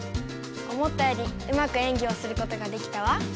思ったよりうまく演技をすることができたわ。